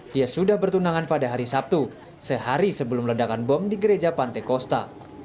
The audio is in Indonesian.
dia sudah bertunangan pada hari sabtu sehari sebelum ledakan bom di gereja pantai kosta